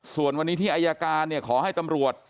ส่วนวันนี้ที่อายการเนี่ยขอให้ตำรวจ